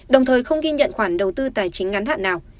đồng thời không ghi nhận khoản đầu tư tài chính ngắn hạn nào